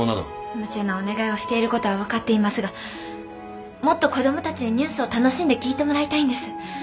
ムチャなお願いをしている事は分かっていますがもっと子どもたちにニュースを楽しんで聞いてもらいたいんです。